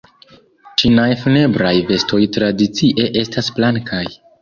Ĉinaj funebraj vestoj tradicie estas blankaj.